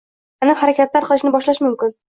aniq harakatlar qilishni boshlashi mumkin: